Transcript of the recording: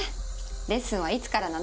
レッスンはいつからなの？